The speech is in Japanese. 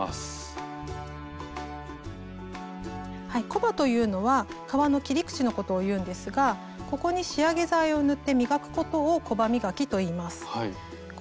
コバというのは革の切り口のことをいうんですがここに仕上げ剤を塗って磨くことを「コバ磨き」といいます。